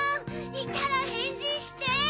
いたらへんじして！